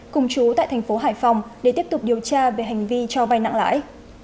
cùng chú tại thành phố hải phòng để tiếp tục điều tra về hành vi cho vay nặng lãi